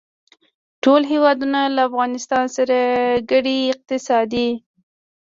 ټول هېوادونه له افغانستان سره ګډې اقتصادي